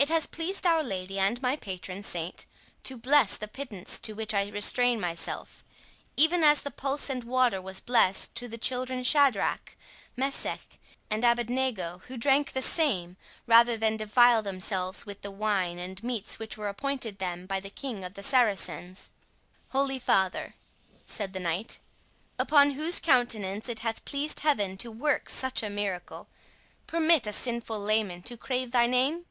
It has pleased Our Lady and my patron saint to bless the pittance to which I restrain myself, even as the pulse and water was blessed to the children Shadrach, Meshech, and Abednego, who drank the same rather than defile themselves with the wine and meats which were appointed them by the King of the Saracens." "Holy father," said the knight, "upon whose countenance it hath pleased Heaven to work such a miracle, permit a sinful layman to crave thy name?"